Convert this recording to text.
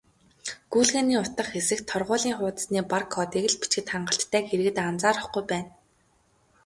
"Гүйлгээний утга" хэсэгт торгуулийн хуудасны бар кодыг л бичихэд хангалттайг иргэд анзаарахгүй байна.